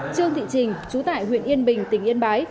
trương thị trình chú tại huyện yên bình tỉnh yên bái